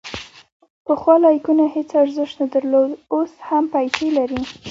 پخوا لایکونه هیڅ ارزښت نه درلود، اوس هم پیسې لري.